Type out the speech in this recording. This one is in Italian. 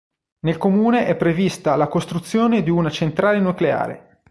Nel comune è prevista la costruzione di una centrale nucleare.